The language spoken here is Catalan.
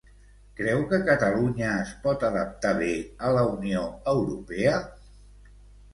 Creu que Catalunya es pot adaptar bé a la Unió Europea?